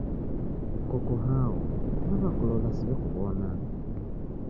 Koko hao, naw'akulola siw'ekuw'ona?